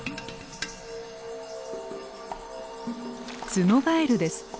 ツノガエルです。